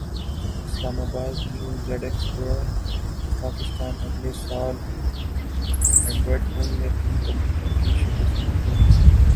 اسلام آبادنیو زڈیسکپورا پاکستان اگلے سال اینڈرائیڈ فون میں تین تبدیلیوں کی شدت سے منتظر ہے